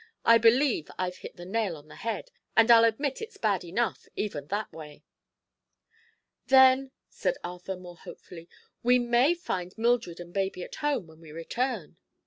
I believe I've hit the nail on the head, and I'll admit it's bad enough, even that way." "Then," said Arthur, more hopefully, "we may find Mildred and baby at home, when we return."